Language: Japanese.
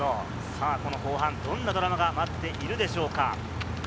後半どんなドラマが待っているでしょうか？